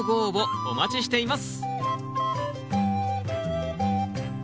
お待ちしています。